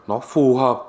nó phù hợp